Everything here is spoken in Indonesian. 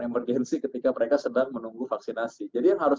emergensi ketika mereka sedang menunggu vaksinasi jadi yang harus